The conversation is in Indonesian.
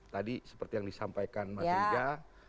tadi seperti yang disampaikan mas riza